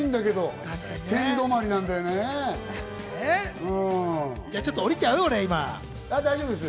あ大丈夫です。